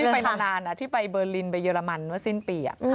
ไปนานที่ไปเบอร์ลินไปเรมันเมื่อสิ้นปี